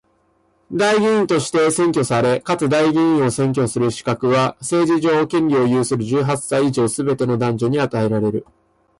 代議員として選挙され、かつ代議員を選挙する資格は、政治上の権利を有する十八歳以上のすべての男女に与えられる。